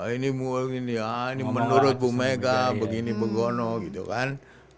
ini menurut bu mega begini begono gitu kan